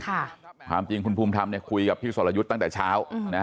ความจริงคุณภูมิธรรมเนี่ยคุยกับพี่สรยุทธ์ตั้งแต่เช้า